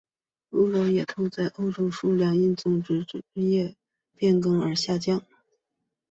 欧洲野兔在欧洲的数量因种植业的变更而下降。